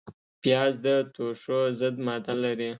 پیاز د توښو ضد ماده لري